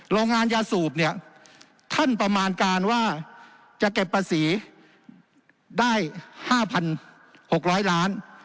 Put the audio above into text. โรงงานยาสูบเนี่ยท่านประมาณการว่าจะเก็บภาษีได้๕๖๐๐ล้าน